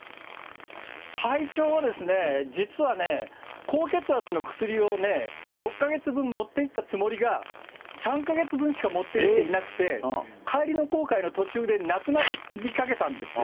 体調はですね、実はね、高血圧の薬を６か月分持っていったつもりが、３か月分しか持っていっていなくて、帰りの航海の途中でなくなりかけたんですよ。